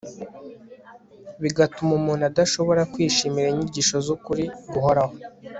bigatuma umuntu adashobora kwishimira inyigisho z'ukuri guhoraho